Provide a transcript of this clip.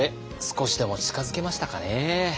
少しでも近づけましたかね。